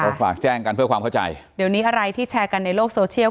ก็ฝากแจ้งกันเพื่อความเข้าใจเดี๋ยวนี้อะไรที่แชร์กันในโลกโซเชียล